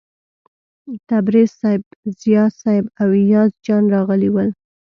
تبریز صیب، ضیا صیب او ایاز جان راغلي ول.